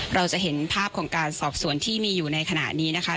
เราจะเห็นภาพของการสอบสวนที่มีอยู่ในขณะนี้นะคะ